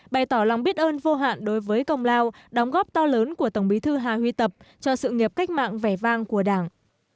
bày tỏ lòng biết ơn vô hạn đối với công lao đóng góp to lớn của tổng bí thư hà huy tập cho sự nghiệp cách mạng vẻ vang của đảng